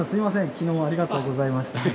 昨日はありがとうございました。